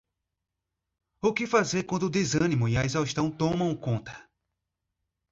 O que fazer quando o desânimo e a exaustão tomam conta